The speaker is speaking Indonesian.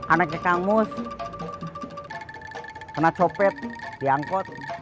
anaknya kang mus kena copet diangkut